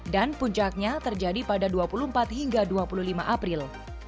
dan puncaknya terjadi pada dua puluh empat hingga dua puluh lima april